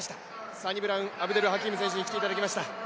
サニブラウン・アブデル・ハキーム選手に来ていただきました。